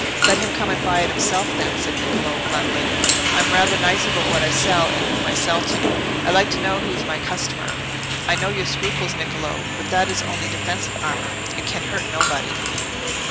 "Let him come and buy it himself, then," said Niccolò, bluntly. "I'm rather nice about what I sell, and whom I sell to. I like to know who's my customer." "I know your scruples, Niccolò. But that is only defensive armour: it can hurt nobody."